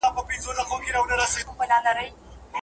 په شپه کې هم وي شوگيرې، هغه مې بيا ياديږي